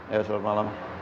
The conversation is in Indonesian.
ya selamat malam